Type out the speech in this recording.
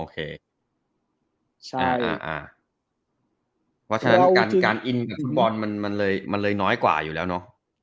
เพราะฉะนั้นการอินกับฟุตบอลมันเลยมันเลยน้อยกว่าอยู่แล้วเนอะ